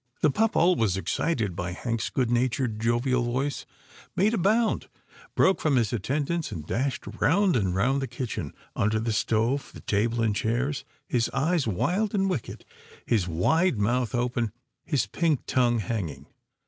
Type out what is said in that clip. The pup, always excited by Hank's goodnatured, jovial voice, made a bound, broke from his attend ants, and dashed round and round the kitchen, under the stove, the table, and chairs, his eyes wild and wicked, his wide mouth open, his pink tongue hanging.